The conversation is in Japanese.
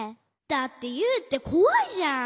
だってユウってこわいじゃん。